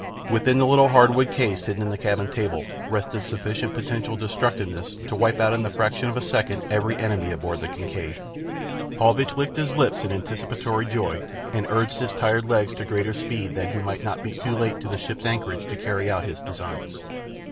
Within the little hardwood case hidden in the cabin table rested sufficient potential destructiveness to wipe out in the fraction of a second every enemy aboard the Kincaid. Paulvitch licked his lips in anticipatory joy, and urged his tired legs to greater speed that he might not be too late to the ship's anchorage to carry out his designs.